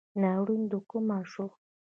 ناورین دکومه شو